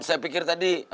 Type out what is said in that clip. saya pikir tadi